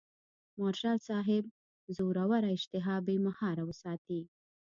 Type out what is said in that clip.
مارشال صاحب زوروره اشتها بې مهاره وساتي.